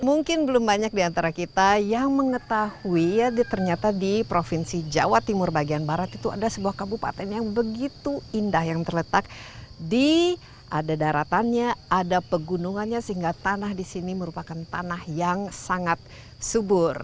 mungkin belum banyak di antara kita yang mengetahui ya ternyata di provinsi jawa timur bagian barat itu ada sebuah kabupaten yang begitu indah yang terletak di ada daratannya ada pegunungannya sehingga tanah di sini merupakan tanah yang sangat subur